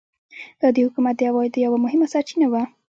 دا د حکومت د عوایدو یوه مهمه سرچینه وه.